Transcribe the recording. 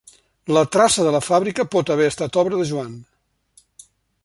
La traça de la fàbrica pot haver estat obra de Joan.